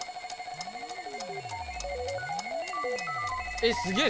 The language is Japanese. えっすげえ！